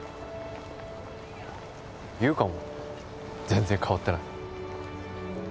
優香も全然変わってない。